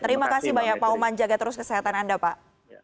terima kasih banyak pak oman jaga terus kesehatan anda pak